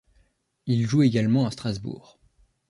Il joue également à Strasbourg.